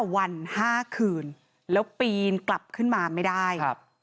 วัน๕คืนแล้วปีนกลับขึ้นมาไม่ได้